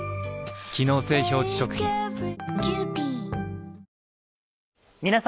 機能性表示食品皆様。